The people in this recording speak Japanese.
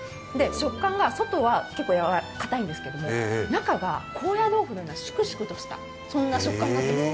食感が外は結構かたいんですけれども中は高野豆腐のようなシュクシュクとした食感になってます。